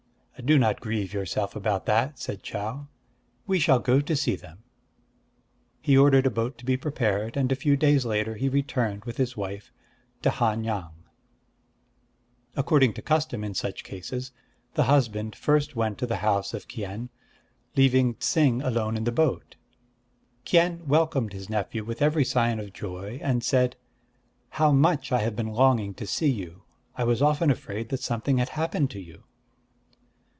"Do not grieve yourself about that," said Chau; "we shall go to see them." He ordered a boat to be prepared; and a few days later he returned with his wife to Han yang. According to custom in such cases, the husband first went to the house of Kien, leaving Ts'ing alone in the boat. Kien, welcomed his nephew with every sign of joy, and said: "How much I have been longing to see you! I was often afraid that something had happened to you."